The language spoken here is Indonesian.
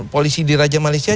polisi di raja malaysia